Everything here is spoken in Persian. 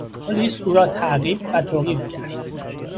پلیس او را تعقیب و توقیف کرد.